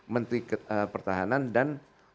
menteri pertahanan dan